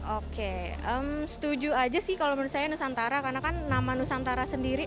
oke setuju aja sih kalau menurut saya nusantara karena kan nama nusantara sendiri